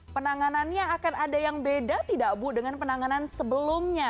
penanganannya akan ada yang beda tidak bu dengan penanganan sebelumnya